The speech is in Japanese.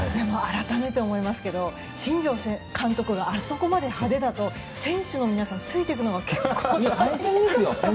改めて思いますが新庄監督があそこまで派手だと選手の皆さん、ついていくのが結構大変なのでは。